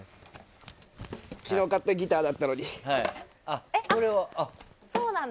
昨日買ったギターだったのに。